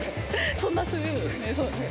そんなする？